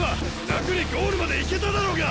楽にゴールまで行けただろうが！